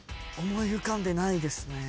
思い浮かんでないですね。